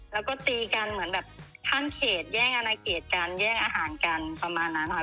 แล้วก็ตีกันเหมือนแบบข้ามเขตแย่งอนาเขตกันแย่งอาหารกันประมาณนั้นค่ะ